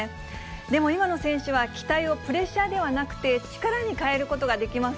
でも、今の選手は期待をプレッシャーではなくて、力に変えることができます。